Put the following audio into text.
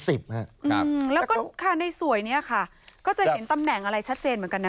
แล้วก็ค่ะในสวยเนี่ยค่ะก็จะเห็นตำแหน่งอะไรชัดเจนเหมือนกันนะ